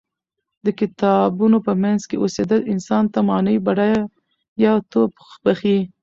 د کتابونو په منځ کې اوسیدل انسان ته معنوي بډایه توب بښي.